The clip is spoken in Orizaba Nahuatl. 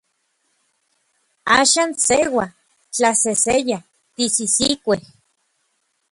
Axan seua, tlaseseya, tisisikuej.